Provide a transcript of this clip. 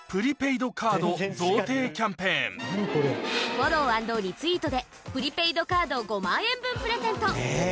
「フォロー＆リツイートでプリペイドカード５万円分プレゼント」。